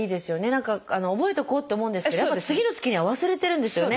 何か覚えとこうって思うんですけどやっぱり次の月には忘れてるんですよね